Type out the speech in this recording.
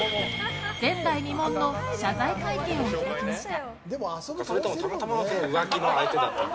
前代未聞の謝罪会見を開きました。